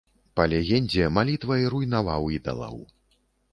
Па легендзе, малітвай руйнаваў ідалаў.